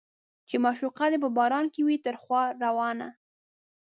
چې معشوقه دې په باران کې وي تر خوا روانه